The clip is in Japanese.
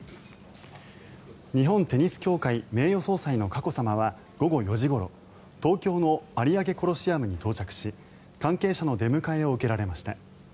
日本テニス協会名誉総裁の佳子さまは午後４時ごろ東京の有明コロシアムに到着し関係者の出迎えを受けられました。